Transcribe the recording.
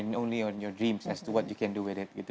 dan hanya pada impian anda apa yang bisa anda lakukan dengan itu